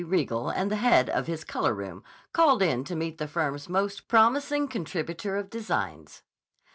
Riegel and the head of his color room called in to meet the firm's most promising contributor of designs.